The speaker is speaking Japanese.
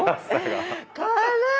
軽い！